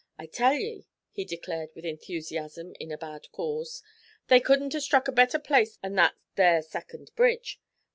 I tell ye,' he declared with enthusiasm in a bad cause, they couldn't 'a' struck a better place 'an that there second bridge!